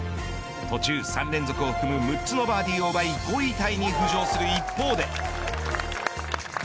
途中、３連続を含む６つのバーディーを奪い５位タイに浮上する一方で。